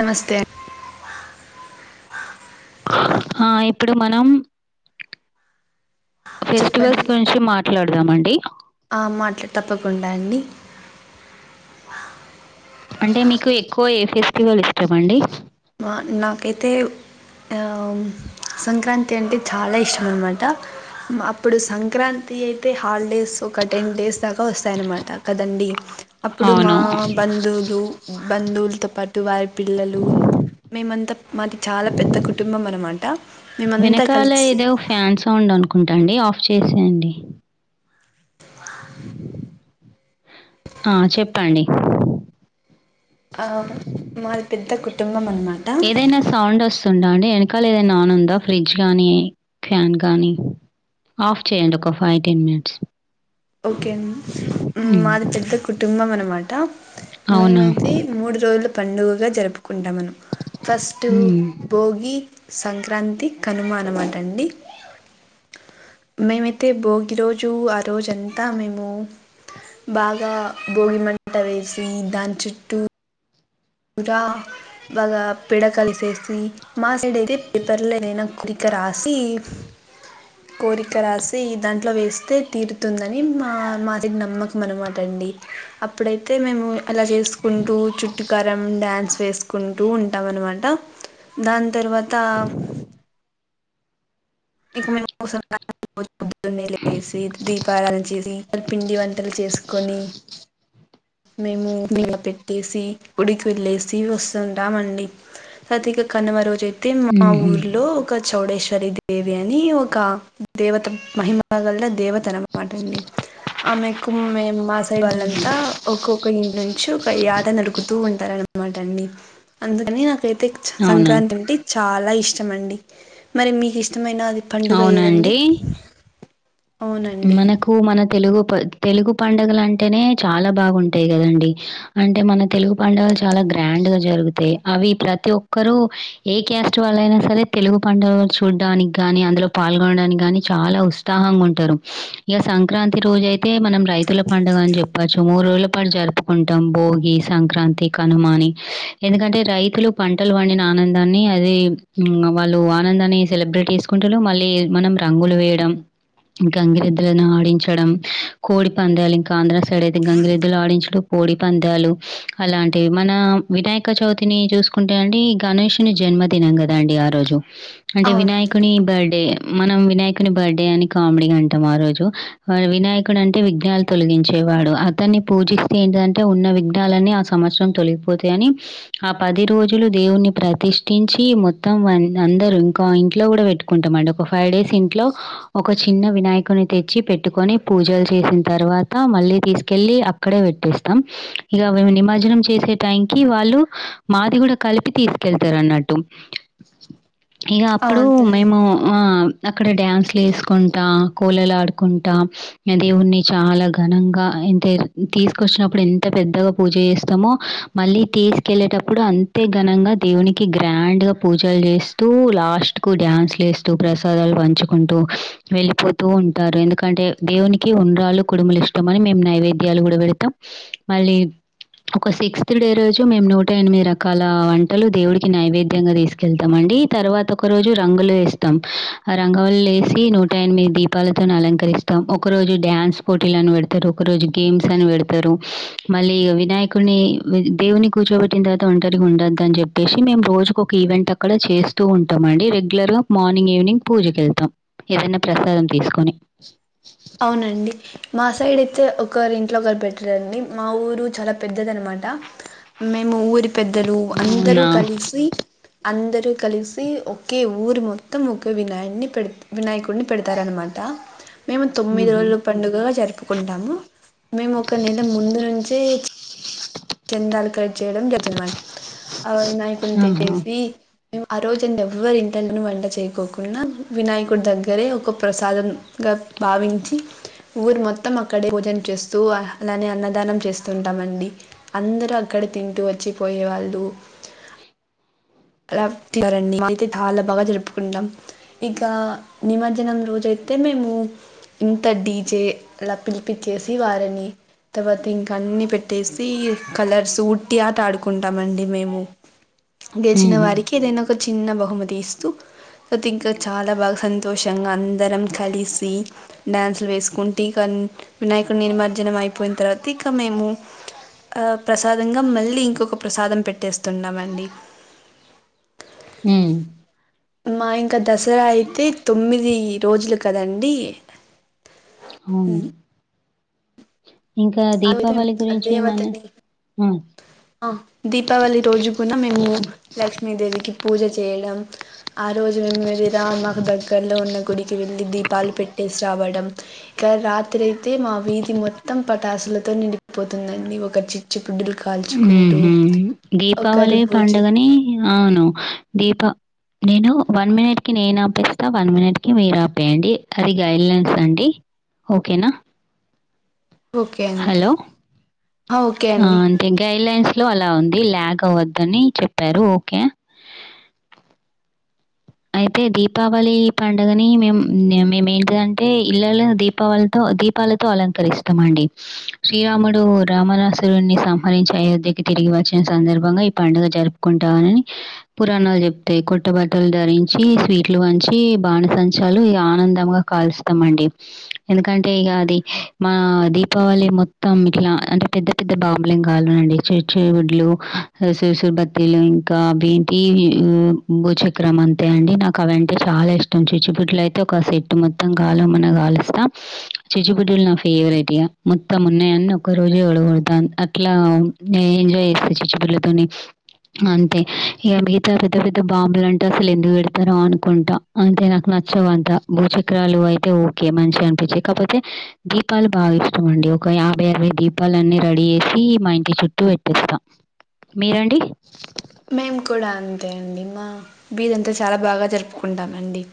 నమస్తే హా ఇప్పుడు మనం ఫెస్టివల్స్ చెప్పండి గురించి మాట్లాడదామండి ఆ మాట్లా తప్పకుండా అండి అంటే మీకు ఎక్కువ ఏ ఫెస్టివల్ ఇష్టమండి మా నాకైతే సంక్రాంతి అంటే చాలా ఇష్టం అన్నమాట అప్పుడు సంక్రాంతి అయితే హాలిడేస్ ఒక టెన్ డేస్ దాకా వస్తాయన్నమాట కదండీ అప్పుడు మా అవును. బంధువులు బంధువులతో పాటు వారి పిల్లలు మేమంతా మాది చాలా పెద్ద కుటుంబం అనమాట మేమంతా కలిసి అనుకుంటాండి ఆఫ్ చేసేయండి ఆ చెప్పండి ఆ మాది పెద్ద కు ఏదైనా సౌండ్ వస్తుందా అండి వెనకాల ఏదైనా ఆన్ ఉందా ఫ్రిడ్జ్ గానీ ఫ్యాన్ గాని ఆఫ్ చేయ్యండి ఒక ఫైవ్ టెన్ మినిట్స్ ఓకే అండి హ్మ్. మాది పెద్ద కుటుంబం అనమాట అవునా? మేమయితే మూడు రోజులు పండుగగా జరుపుకుంటాం మనం ఫస్ట్ హ్మ్. భోగి సంక్రాంతి కనుమ అనమాట అండి మేము అయితే భోగిరోజు ఆరోజం అంతా మేము బాగా భోగిమంట వేసి దాని చుట్టూ ఉదా బాగా పిడకల్ చేసి మా సైడ్ అయితే పేపర్లో ఏదైనా కొరిక రాసి కోరిక రాసి దాంట్లో వేస్తే తీరుతుందని మా మాది నమ్మకం అనమాట అండి అప్పుడైతే మేము అలా చేసుకుంటూ కరం డ్యాన్స్ వేసుకుంటూ ఉంటాం అనమాట దన్ తర్వాత ఇంక మేం [unintelligible] పద్దున్నే లేసి దీపారాధన చేసి పిండి వంటలు చేసుకొని మేము మీద పెట్టేసి ఉడికి వెళ్ళసి వస్తుంటామండి ఇక కనుమ రోజు అయితే మా హుహు. ఊర్లో ఒక చౌడేశ్వరి దేవి అని ఒక దేవత మహిమ గాల దేవత న్నమాట అండి ఆమెకు మేం మాసైడ్ హుహు. వాళ్ళంతా ఒక్కొక్క ఇంటి నుంచి ఒక యట నరుకుతూ ఉంటారు అనమాట అండి అందుకని నాక ప్ర అవునా? సంక్రాంతి అంటే చాలా ఇష్టం అండి మరి మీకు ఇష్టం మైన అది పండుగ ఎదండి అవునండి. మనకు మన తెలుగు ప తెలుగు పండగలు అంటేనే చాలా బాగుంటాయి కదండి అంటే మన తెలుగు పండగలు చాలా గ్రాండ్ పండుగ జరుగుతాయి అవి ప్రతి ఒక్కరుూ ఏ క్యాస్ట్ వాళ్ళ అయినా సరే తెలుగు పండుగ చూడ్డానికి గాని అందులో పాల్గొనడానికి గాని చాలా ఉత్సాహంగా ఉంటారు ఇగ సంక్రాంతి రోజు అయితే మనం రైతుల పండుగ అని చెప్పొచ్చు మూడు రోజుల పాటు జరుపుకుంటాం భోగి సంక్రాంతి కనుమాని ఎందుకంటే రైతులు పంటలు వండిన ఆనందాన్ని అది వాళ్ళు ఆనందాన్ని సెలబ్రేట్ చేసుకుంటారు మళ్ళీ మనం రంగులు వేయడం గంగిరెద్దులను ఆడించడం కోడి పందాలు ఇంకా ఆంధ్ర సైడ్ అయితే గంగిరెద్దులు ఆడించూడు కోడి బంధాలు అలాంటివి మన వినాయక చవితిని చూసుకుంటే అంటే గణేషుని జన్మదిన కదండి ఆ రోజు అంటే వినాయకుని అవునండి బర్త్డే మనం వినాయకుని బర్త్డే అని కామెడీ అంటాం ఆ రోజు వినాయకుడు అంటే విజ్ఞనాలు తొలగించేవాడు అతన్ని పూజిస్తే ఏంటి అంటే ఉన్న విఘ్నాలన్నీ ఆ సంవత్సరం తొలగిపోతాయని ఆ పది రోజులు దేవుణ్ణి ప్రతిష్ఠి నుంచి మొత్తం అందరుూ ఇంకా ఇంట్లో కూడా పెట్టుకుంటామండి ఒక ఫైవ్ డేస్ ఇంట్లో ఒక చిన్న వినాయకుని తెచ్చి పెట్టుకొని పూజలు చేసిన తర్వాత మళ్ళీ తీసుకెళ్ళలి అక్కడే టేస్తాం ఇక నిమజ్జనం చేసే టైంకి వాళ్ళు మాది కూడా కలిపి తీసుకెళ్తారు అట్టు ఇక అప్పుడు అవునండి మేము అక్కడ డ్యాన్స్లు ంటా కోలలు ఆడుకుంటా దేవుణని చాలా ఘనంగా తీసుకొ చ్చినప్పుడు ఎంత పెద్దగా పూజ చేస్తామో మళ్ళీ తీసుకెళ్ళేటప్పుడు అంతే ఘనంగా దేవునికి గ్రాండ్గా పూజలు చేస్తూ లాస్ట్కు డ్యాన్స్లు వస్తూ ప్రసాదాలు పంచుకుంటూ వెళ్ళిపోతూ ఉంటారు ఎందుకంటే దేవునికి ఉండ్రాలు కుడుములు ఇష్టంమని మేము నైవేద్యాలు కూడా పెడతాం మళ్ళీ ఒక సిక్స్త్ డే రోజు మేము నూట ఎనిమిది రకాల వంటలు దేవుడికి నైవేద్యంగా తీసుకెళ్తామండి డి తర్వాత ఒక రోజు రంగులు వేస్తాం ఆ రంగవాళులు వేసి నూటి టైన్ మీ దీపాలతో అలంకరిస్తాం ఒక రోజు డ్యాన్స్ పోటీలు అని పెడతారు ఒక రోజు గేమ్స్ అని పెడతారు మళ్ళీ వినాయకుడిని దేవుని కూర్చోబెట్టిన తర్వాత ఒంటరిగా ఉండదు అని చెప్పేసి మేము రోజుకు ఒక ఈవెంట్ అక్కడ చేస్తూ ఉంటాం అండి రెగ్యులర్ గా మార్నింగ్ ఈవినింగ్ పూజకళ్తాం ఏదైనా ప్రసాదం తీసుకొని అవునండి మా సైడ్ అయితే ఒకరు ఇంట్లో ఒకరు పెట్రాండి మా ఊరు చాలా పెద్దది అనమాట మేము ఊరి పెద్దలు అందరూ అవునా! కలిస్సి అందరూ కలిసి ఒకే ఊరు మొత్తం ఒకే వినాయున్ని పెడ్ వినాయకుడిన్ని పెడతారన్నమాట [unintelligible] తొమ్మిది రోజుల పండుగా జరుపుకుంటాము మేము ఒక నెల ముందు నుంచే చందాలు కలెక్ట్ చేయడం [inaudible] అవ వినాయకున్ని ఆహా! తెట్టేసి మేం ఆ రోజెడ్ ఎవ్వరి ఇంట్లనుండి వంట చేయకోకుండా వినాయకుడి దగ్గరే ఒక ప్రసాదం భావించి ఊరు మొత్తం అక్కడే పూజల్ చేస్తూ అలానే అన్నదానం చేస్తుంటామండి అందరూ అక్కడ తింటూ వచ్చిపోయేవాళ్ళు తాలా బాగా జరుపుకుంటాం ఇక నిమజ్జనం రోజ అయితే మేము ఇంత డీజె లా పిలిపిచ్చేసి వారిని తర్వాత ఇంక అన్ని పెట్టేసి కలర్స్ ఉట్టి ఆట ఆడుకుంటామండి మేము [unintelligible] గెచిన వారికి ఏదైనా ఒక చిన్న బ హుమతి ఇస్తూ తో ఇంక చాలా బాగ సంతోషంగా అందరం కలిసి న అసల్ వేసుకుంటి కన్ వినాయకుని నిమర్జనం అయిపోయిన తరువాత ఇక మేము ఆ ప్రసాదంగా మళ్ళీ ఇంకొక ప్రసాదం పెట్టేస్తున్నామండి ఉమ్ మా ఇంకా దసరా అయితే తొమ్మిది రోజులు కదండి అవును ఇంకా [inaudible] దీపావళి అ గురించి మన దేవతకి ఆ ఆ దీపావళి రోజు కూన మేము లక్ష్మీదేవికి పూజ చే చేయడం ఆ రోజు మేం [unintelligible] మాకు దగ్గరలో ఉన్న గుడికెళ్ళి దీపాలు పెట్టేసి రావడం ఇక రాత్రి అయితే మా వీధి మొత్తం ప టాసులతో నిండిపోతుందండి ఒక చిచ్చు ఉహ్మ్ దీపావళి ఒకరు పూజ పండుగని అవును దీప నేను వన్ మినిట్ కి నేను ఆపేస్తా వన్ మినిట్ కి మీరు ఆపేయండి అది గైడ్ లైన్స్ అండి ఓకేనా ఓకే అండి హలో ఆ, ఓకే అ అండి అంటే గైడ్లైన్స్ లో అలా ఉంది ల్యాగ్ అవద్ ద్దని చెప్పారు ఓకే అయితే దీపావళి పండుగని మేం మేమెంటిదంటే ఇళ్లలు దీపావళితో దీ పాలతో అలంకరిస్తామండి శ్రీరాముడు రామణాసురున్ని సంహరించి అయోధ్యకి తిరిగి వచ్చిన సందర్భంగా ఈ పండుగ జరుపుకుంటామనని పురాణాలు చెప్తాయి కొట్టుబ బట్టలు ధరించి స్వీట్లు పంచి బాణసంచాలు ఇగ ఆనందముగా కాలుస్తాం అండి ఎందుకంటే ఇగ అది మా దీపావళి మొత్తం ఇట్లా అంటే పెద్ద పెద్ద బాంబులిం కాలువరండి చిచ్చి బుడ్లు [unintelligible] ఇంకా అవేంటియి బుచాక్ చక్రం అంతే అండి నాకవంటే చాలా ఇష్టం చిచ్చుబుడ్లు అయితే ఒక సట్ మొత్తం గాలవమన్నా గాలిస్తం చిచ్చు బుడ్డుల్ నా ఫేవరెట్ ఇగ మొత్తం ఉన్నాయన్ని ఒక్క రోజె ఒడగొడుతా అట్లా ఇగ ఎంజాయ్ చే చిచ్చుబుడ్లతోని అంతే ఇగ మిగతా పెద్ద పెద్ద బాంబులం అసలు ఎందుకు పెడతారో అనుకుంటా అంతె నాకు నచ్చవంత భూచక్రాలు అయితే ఓకే మంచిగనిపి కాపోతే దీపాలు బాగా ఇష్టం అండి ఒక యాభై అరవై దీపాలన్నీ రెడీ చేసి మా ఇంటి చుట్టూ పెట్టిస్తా మీరండి మేము కూడా అంతే అండి మా బీదంతా చాలా బాగా జరుపుకుంటామండి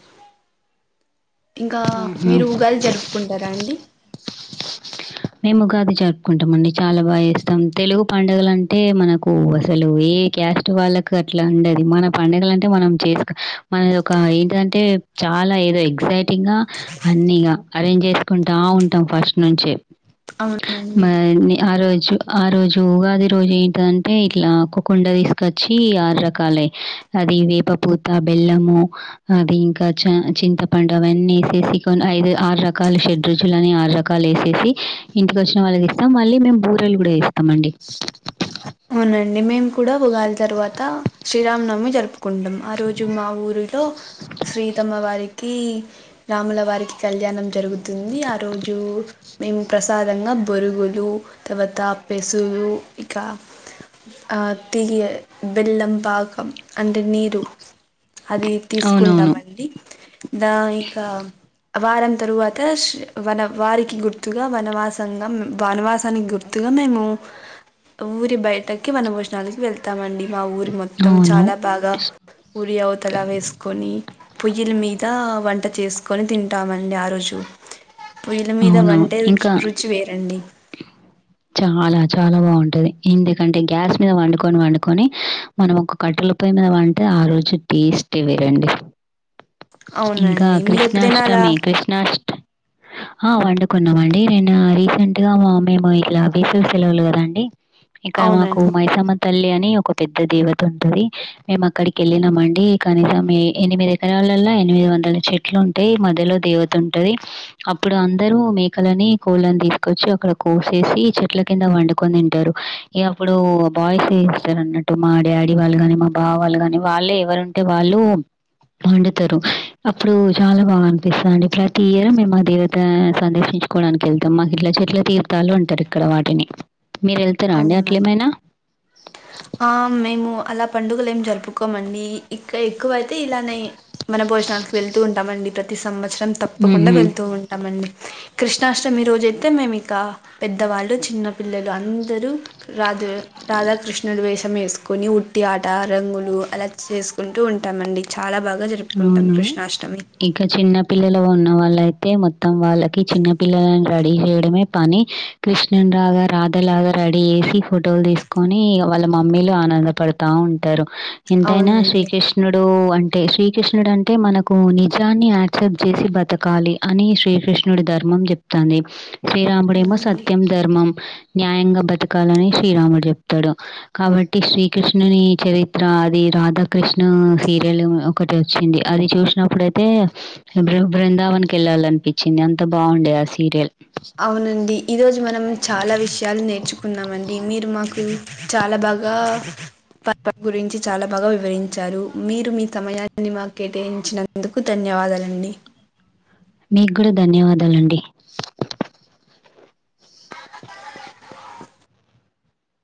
[unintelligible] ఇంకా ఆహా! మీరు ఉగాది జరుపుకుంటారా అండి మేం ఉగాది జరుపుకుంటామండి చాలా బాగా చేస్తాం. తెలుగు పండగలంటే మనకు అసలు ఎ ఏ క్యాస్ట్ వాళ్ళక్ అట్లా ఉండది. మన పండగలంటే మనం చేస్క్ మనద్ ఒక ఏంటిదంటే చాలా ఏదో ఎగ్జైటింగా అన్నిగ అరేంజ్ చేస్కుంటా ఉంటాం ఫస్ట్ నుంచే అవునండి. మరి ఆ రోజు ఆ రోజు ఉగాది రోజు ఏంటిదంటే ఇట్లా కొకుండ తీస్కచ్చి ఆరు రకాల లై అది వేప పూత, బెల్లము అది ఇంకా చ చింతపండు అవన్నేసి యేసి కొన్ ఐదు ఆరు రకాల షెడ్రుచులు అని ఆరు రకాల్ ఏసేసి ఇంటికొచ్చిన వాళ్ళకిస్తాం. మళ్ళీ మేం బూరెల్ గూడా జేస్తాం అండి. అవునండి మేం కూడా ఉగాది తర్వాత శ్రీరామనవమి జరుపు కుంటాం. ఆ రోజు మా ఊరిలో శ్రీతమ్మ వారికీ రాముల వారికి కల్ ళ్యాణం జరుగుతుంది ఆ రోజూ మేము ప్రసాదంగా బొరుగులు తర్వాత పెసులు ఇక ఆ తియ్య బెల్లం పాకం అంటే నీరు అది అవునవును. తీస్కుంటామండి దా ఇకా వారం తరువాత వనం వారికి గుర్తుగా వనవాసంగా వనవాసానికి గుర్తుగా మేము ఊరి బయటకి వన భోజనాలకి వెళ్తామండి. మా ఊరి మొత్తం అవును. చాలా బాగా ఊరి అవతల వేస్కోని పొయ్యిల్ మీదా వంట చేసుకొని తింటామండి ఆ రోజు పొయ్యిల మీద అవును. వంటే రుచ్ ఇంకా రుచి వేరండి. చాలా చాలా బాగుంటది ఎందుకంటే గ్యాస్ మీద వండుకోన్ వండుకోని మనం ఒక కట్ట ల పొయ్యి మీద వంటే ఆ రోజు టేస్టే వేరండి. ఇంకా అవునండి మీరు ఎప్పుడైనా అలా కృష్ణాష్టమి కృష్ణాష్ట్ ఆ వండుకున్నామండి నిన్న రీసెంట్గా మా అమ్మెమో ఇ లా వేసవి సెలవులు గదండి ఇక్కడ మాకు అవునండి మైసమ్మ తల్లి అన్ నీ ఒక పెద్ద దేవతుంటది. మేం అక్కడికి ఎళ్ళినం అండి కనీసం ఏ ఎనిమిది ఎకరాలల్ల ఎనిమిది వందల చెట్లుంటయి మధ్యలో దేవత ఉంటది. అప్పుడు అందరూ మేకలని, కోళ్ళన్ తీస్కచ్చి అక్కడ కోస్ సేసి చెట్ల కింద వండుకోన్ తింటరు. ఇగ అప్పుడూ బాయ్స్ చేస్తర్ అన్నట్టు మా డాడీ వా వాళ్ళు గాని మా బావ వాళ్ళు గాని వాళ్ళే ఎవరుంటే వాళ్ళు వండుతరు అప్పుడు చాలా బాగా అనిపిస్తదండి ప్రతి ఇయర్ మేమా దేవతా సందర్శిం చుకోవడానికెళ్తాం మాక్ ఇట్లా చెట్ల తీర్ తాలు అంటర్ ఇక్కడ వాటిని మీర్ ఎళ్తరా అండి అవునండి అట్లేమైనా ఆ మేము అలా పండుగలేం జరుపుకోమండి ఇక్క ఎక్కువైతే ఇలానే వన భోజనాలక్ వెళ్తూ ఉంటామండి ప్రతి సంవత్స రం తప్పకుండా హుహు. వెళ్తూ ఉంటామండి. కృష్ణాష్టమి రోజై తే మేం ఇక పెద్దవాళ్ళు చిన్న పిల్లలు అందరు రాదు రాధాకృష్ ష్ణుడు వేషం ఏస్కొని ఉట్టి ఆట రంగులు అలా చేస్కుంటూ ఉంటామండి. చాలా బాగా జరుపుకుంటాం అవును కృష్ణాష్టమి ఇక చిన్న పిల్లలు ఉన్నవాళ్ళై తే మొత్తం వాళ్ళకి చిన్న పిల్లలన్ రెడీ జేయడమే పని కృష్ణుని రాగా రాధలాగా రెడీ జేసి ఫోటోల్ తీస్కోని ఇగ వాళ్ళ మమ్మీలు ఆనంద పడతా ఉంటరు. ఎంతైనా అవునండి శ్రీకృష్ణుడు అంటే శ్రీ కృష్ణుడు అంటే మనకు నిజాన్ని యాక్సెప్ట్ చేసి బతకాలి అని శ్రీకృష్ణుడు ధర్మం జెప్తు తాంది. శ్రీరాముడేమో అవునండి సత్యం, ధర్మం న్యాయంగా బతకాలని శ్రీరాముడు జెప్తడు కాబట్టి శ్రీకృష్ణునీ చరిత్ర అది ఈ రాధాకృష్ణ సీరియల్ ఒకటి వచ్చింది అది చూసినప్పుడయితే బృందావన్ కి యెళ్ళాలనిపిచింది అంత బావుండే ఆ సీరియల్ అవునండి ఈరోజు మనం చాలా విషయాలు నేర్చుకున్నామండి మీరు మాకు చాలా బాగా ప వాటి గురించి చాలా బాగా వివరించారు మీరు మీ సమయాన్ని మా కేటాయించినందుకు ధన్యవాదాలు. దండి మీకు కూడా ధన్యవాదాలండి.